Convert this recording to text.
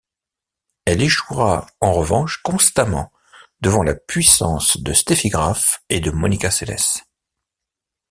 Elle échouera en revanche constamment devant la puissance de Steffi Graf et Monica Seles.